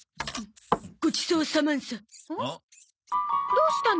どうしたの？